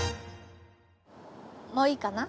もういいかな？